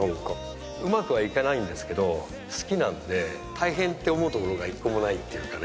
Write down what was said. うまくはいかないんですけど好きなんで大変って思うところが１個もないっていうかね。